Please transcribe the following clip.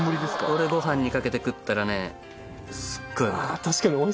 これご飯にかけて食ったらねすっごいうまい。